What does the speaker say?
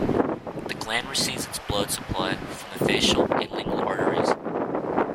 The gland receives its blood supply from the facial and lingual arteries.